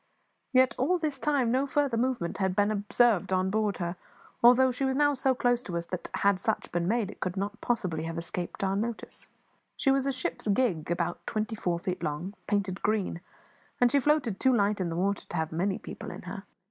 Yet all this time no further movement had been observed on board her, although she was now so close to us that, had such been made, it could not possibly have escaped our notice. She was a ship's gig, about twenty four feet long, painted green, and she floated too light in the water to have many people in her.